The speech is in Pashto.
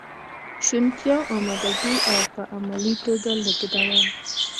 شونتیا، امادګي او په عملي توګه لیږدول.